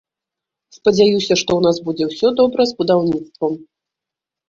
Спадзяюся, што ў нас будзе ўсё добра з будаўніцтвам.